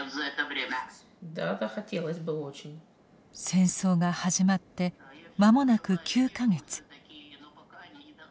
☎戦争が始まって間もなく９か月。